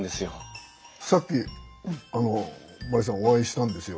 さっきあの万里さんお会いしたんですよ。